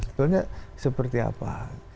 sebenarnya seperti apa